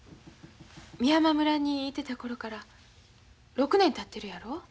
美山村にいてた頃から６年たってるやろ？